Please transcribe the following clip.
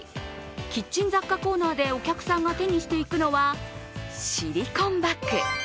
キッチン雑貨コーナーでお客さんが手にしていくのはシリコンバッグ。